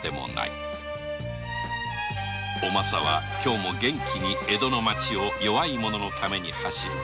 おまさは今日も元気に江戸の町を弱い者のために走る。